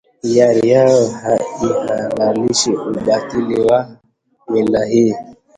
hiyari yao haihalalishi ubatili wa mila hii